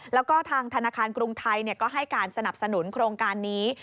แล้วก็ทางธนาคารกรุงไทยก็ให้การสนับสนุนโครงการนี้